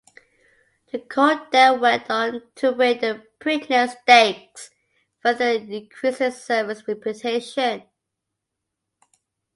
The colt then went on to win the Preakness Stakes further increasing Servis' reputation.